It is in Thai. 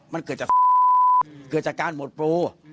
มันเกิดจากมันเกิดจากการหมดโปร